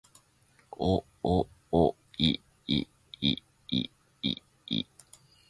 おおおいいいいいい